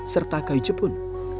serta kayu jepun